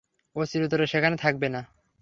ও চিরতরে সেখানে থাকবে না।